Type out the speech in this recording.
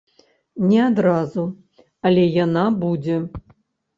Не адразу, але яна будзе.